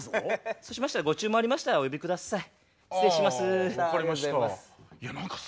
そうしましたらご注文ありましたらお呼び下さい失礼します。